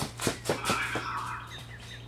کتاب لیدونکي خلګ په ټولنه کي ډېر راښکونکي وي.